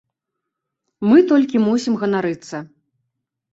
Мы толькі мусім ганарыцца.